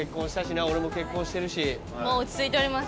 もう落ち着いてます。